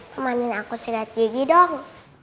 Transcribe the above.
temenin aku sikat gigi dong